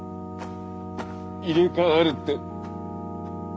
入れ代わるって。